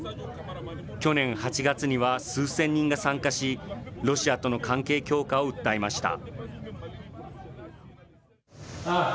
去年８月には、数千人が参加し、ロシアとの関係強化を訴えました。